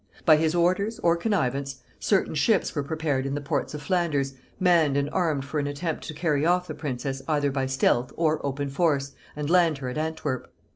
By his orders, or connivance, certain ships were prepared in the ports of Flanders, manned and armed for an attempt to carry off the princess either by stealth or open force, and land her at Antwerp.